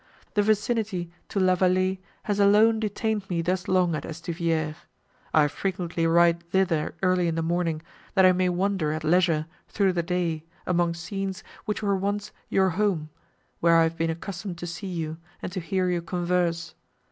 The vicinity to La Vallée has alone detained me thus long at Estuvière: I frequently ride thither early in the morning, that I may wander, at leisure, through the day, among scenes, which were once your home, where I have been accustomed to see you, and to hear you converse.